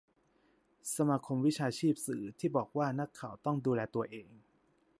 สมาคมวิชาชีพสื่อ ที่บอกว่า นักข่าวต้องดูแลตัวเอง